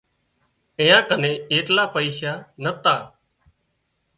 ايئان ڪنين ايٽلا پئيشا نتا